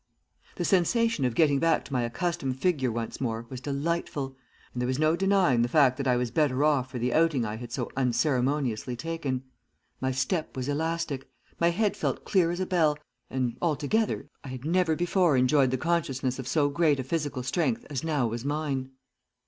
"The sensation of getting back to my accustomed figure once more was delightful, and there was no denying the fact that I was better off for the outing I had so unceremoniously taken. My step was elastic, my head felt clear as a bell, and, altogether, I had never before enjoyed the consciousness of so great a physical strength as now was mine.